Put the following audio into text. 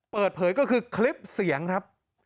เปิดเผยก็คือคลิปเสียงครับ